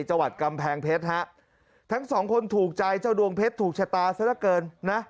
จังหวัดกำแพงเพชรฮะทั้งสองคนถูกใจเจ้าดวงเพชรถูกชะตาซะละเกินนะ